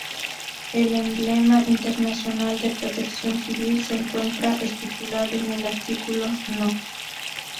El emblema internacional de Protección Civil se encuentra estipulado en el artículo No.